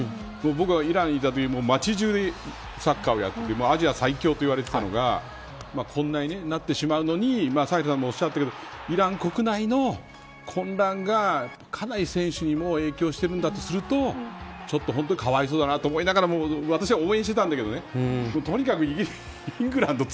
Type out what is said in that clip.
僕はイランにいたとき町中でサッカーをやっていてアジア最強と言われていたのがこんなになってしまうのにサヘルさんもおっしゃったけどイラン国内の混乱がかなり選手にも影響しているんだとすると本当にかわいそうだなと思いながらも私は応援してたんだけどね。